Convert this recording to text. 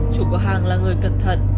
chủ cửa hàng là người cẩn thận